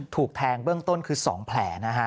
ถูกแทงเบื้องต้นคือ๒แผลนะฮะ